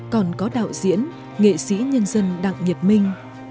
còn có đạo diễn nghệ sĩ nhân dân đặng nhật minh